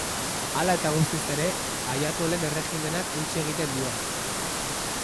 Hala eta guztiz ere, aiatolen erregimenak eutsi egiten dio.